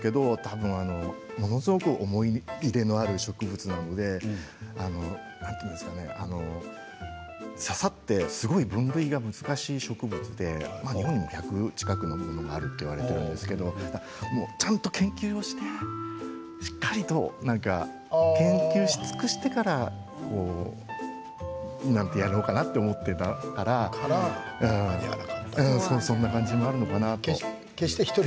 ものすごく思い入れのある植物なのでささって、分類が難しい植物で日本にも１００近くのものがあるといわれているんですけどちゃんと研究をして、しっかりと研究し尽くしてからやろうかなと思っていたのかな。